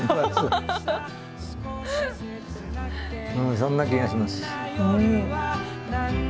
そんな気がします。